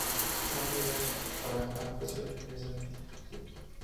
Anderlecht para, a posteriori regresar al Deportivo.